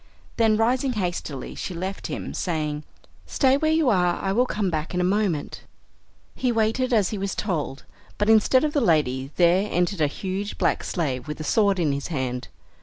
Then rising hastily she left him, saying, "Stay where you are, I will come back in a moment." He waited as he was told, but instead of the lady there entered a huge black slave with a sword in his hand.